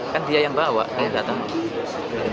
kan dia yang bawa dia yang datang